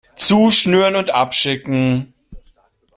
Zuschnüren und abschicken!